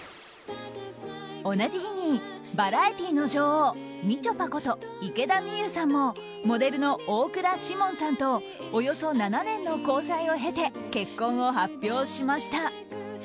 同じ日にバラエティーの女王みちょぱこと池田美優さんもモデルの大倉士門さんとおよそ７年の交際を経て結婚を発表しました。